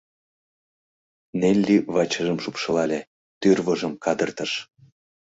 Нелли вачыжым шупшылале, тӱрвыжым кадыртыш.